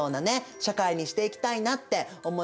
社会にしていきたいなって思いました。